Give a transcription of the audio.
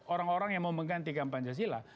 orang orang yang mau menggantikan pancasila